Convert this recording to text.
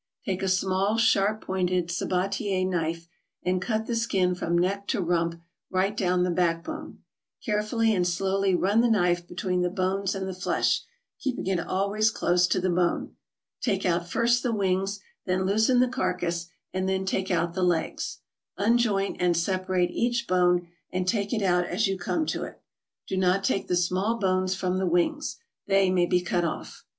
Take a small, sharp pointed sabatier knife and cut the skin from neck to rump right down the back bone. Carefully and slowly run the knife between the bones and the flesh, keeping it always close to the bone. Take out first the wings, then loosen the carcass, and then take out the legs. Unjoint and separate each bone, and take it out as you come to it. Do not take the small bones from the wings; they may be cut off.